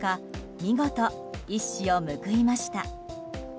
見事、一矢を報いました。